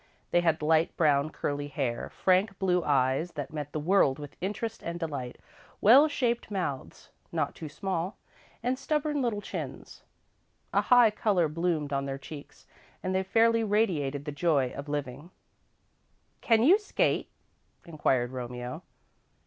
They had light brown curly hair, frank blue eyes that met the world with interest and delight, well shaped mouths, not too small, and stubborn little chins. A high colour bloomed on their cheeks and they fairly radiated the joy of living. "Can you skate?" inquired Romeo.